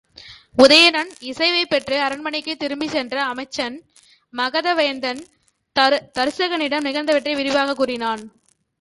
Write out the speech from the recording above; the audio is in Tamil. உதயணன் இசைவைப் பெற்று அரண்மனைக்குத் திரும்பிச் சென்ற அமைச்சன், மகதவேந்தன் தருசகனிடம் நிகழ்ந்தவற்றை விரிவாகக் கூறினான்.